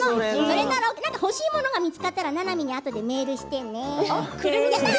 欲しいものが見つかったらななみにあとでメールしてね。